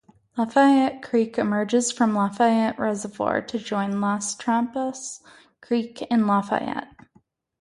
Lafayette Creek emerges from Lafayette Reservoir to join Las Trampas Creek in Lafayette.